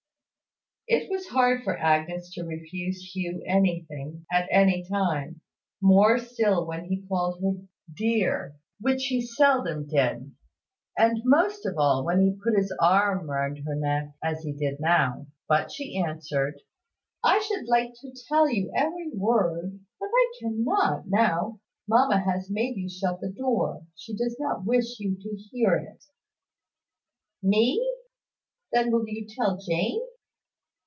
It was hard for Agnes to refuse Hugh anything, at any time; more still when he called her "dear," which he seldom did; and most of all when he put his arm round her neck, as he did now. But she answered "I should like to tell you every word; but I cannot now. Mamma has made you shut the door. She does not wish you to hear it." "Me! Then will you tell Jane?"